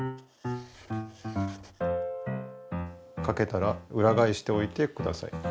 書けたらうらがえしておいてください。